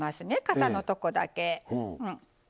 かさのとこだけ。